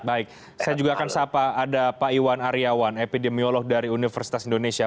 baik saya juga akan sapa ada pak iwan aryawan epidemiolog dari universitas indonesia